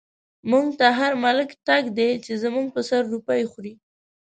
موږ ته هر ملک تلک دی، چۍ زموږ په سر روپۍ خوری